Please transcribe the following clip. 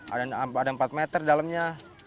ada empat meter dalemnya